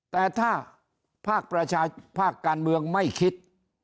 แต่ถ้าภาคประชาชนภาคการเมืองไม่คิด